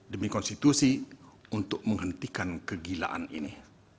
demi konstitusi untuk menghentikan kegilaan ini